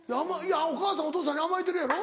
お母さんお父さんに甘えてるやろ？